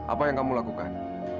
apa yang kamu lakukan